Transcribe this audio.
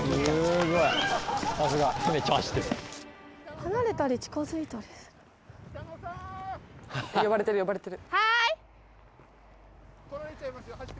離れたり近づいたりする。